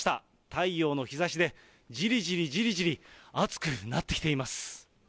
太陽の日ざしでじりじりじりじり暑くなってきています。